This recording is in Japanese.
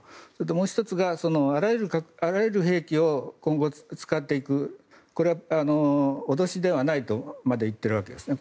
もう１つがあらゆる兵器を今後、使っていくこれは脅しではないとまで言っているわけですね。